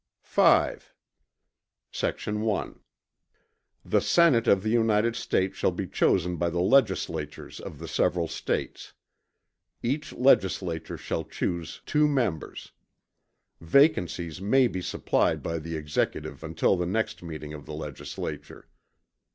V Sect. 1. The Senate of the United States shall be chosen by the Legislatures of the several States. Each Legislature shall chuse two members. Vacancies may be supplied by the Executive until the next meeting of the Legislature.